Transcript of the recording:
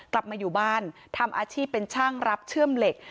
กลับมาอยู่บ้านทำอาชีพเป็นช่างรับเชื่อมเหล็ก